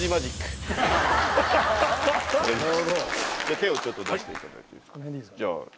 手をちょっと出していただいていいですか。